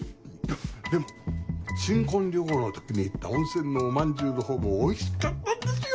でも新婚旅行の時に行った温泉のおまんじゅうのほうもおいしかったんですよ！